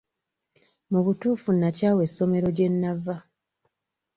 Mu butuufu nnakyawa essomero gye nnava.